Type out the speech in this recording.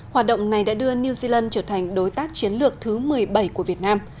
hoạt động này đã đưa new zealand trở thành đối tác chiến lược thứ một mươi bảy của việt nam